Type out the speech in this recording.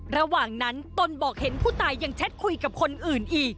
ระหว่างนั้นตนบอกเห็นผู้ตายยังแชทคุยกับคนอื่นอีก